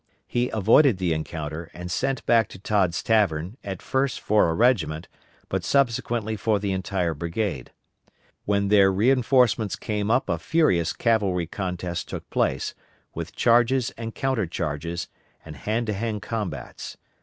He avoided the encounter and sent back to Todd's Tavern, at first for a regiment, but subsequently for the entire brigade. When there reinforcements came up a furious cavalry contest took place, with charges and counter charges, and hand to hand combats.